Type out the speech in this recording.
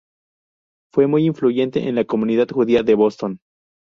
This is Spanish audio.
Fue muy influyente en la comunidad judía de Boston.